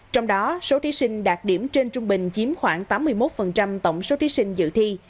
trong đó số thí sinh đạt điểm trên trung bình chiếm khoảng tám mươi một tổng số thí sinh dự thi